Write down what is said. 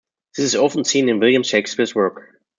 This is often seen in William Shakespeare's work.